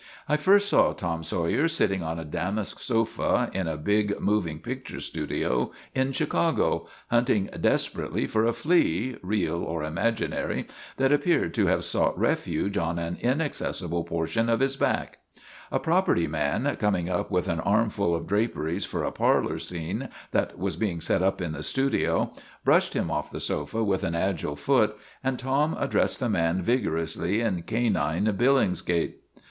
I first saw Tom Sawyer sitting on a damask sofa in a big moving picture studio in Chicago, hunting desperately for a flea real or imaginary that appeared to have sought refuge on an inaccessible portion of his back. A property man, coming up with an armful of draperies for a parlor scene that was being set up in the studio, brushed him off the sofa with an agile foot, and Tom addressed the man vigorously in canine Billingsgate.